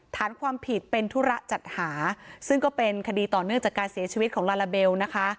ฐานความผิดเป็นธุระจัดหาซึ่งก็เป็นคดีต่อเนื่องจากการเสียชีวิตของลาลาเบลนะคะ